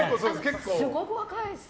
すごく若いです。